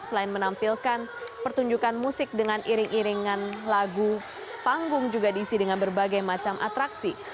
selain menampilkan pertunjukan musik dengan iring iringan lagu panggung juga diisi dengan berbagai macam atraksi